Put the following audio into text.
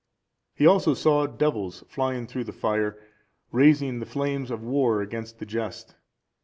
He also saw devils flying through the fire, raising the flames of war against the just.